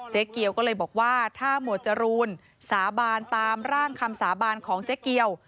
เจ๊เกียวก็เลยบอกว่าถ้าหมวดจรูนสาบานตามร่างคำสาบานของเจ๊เกียว